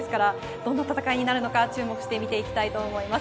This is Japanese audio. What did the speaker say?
どんな戦いになるか注目して見ていきたいと思います。